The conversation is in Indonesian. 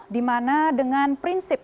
di mana dengan prinsip